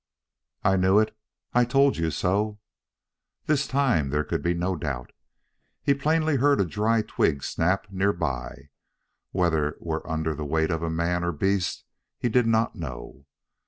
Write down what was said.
"I knew it! I told you so!" This time there could be no doubt. He plainly heard a dry twig snap near by; whether it were under the weight of man or beast, he did not know.